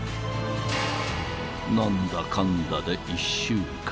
［何だかんだで１週間］